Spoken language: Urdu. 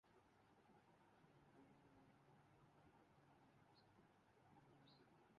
ایشیا کپ کی شکست سے مایوس نہیں بلکہ سیکھنے کی ضرورت ہے